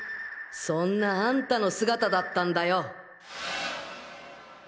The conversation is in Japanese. そんなあんたの姿だったんだよ。